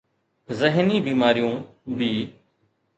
ذهني بيماريون b